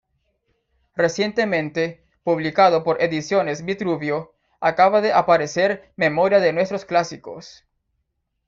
Recientemente, publicado por Ediciones Vitruvio, acaba de aparecer "Memoria de nuestros clásicos".